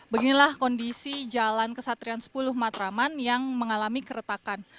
beginilah kondisi jalan kesatrian sepuluh matraman yang mengalami keretakan